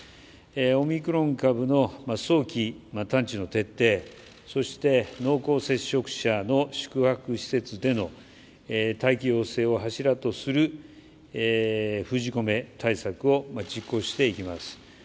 オミクロン株の早期探知の徹底そして濃厚接触者の宿泊施設での待機要請を柱とする封じ込め対策を実行していきます。